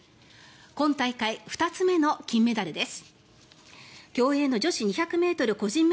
今大会２つ目の金メダルです。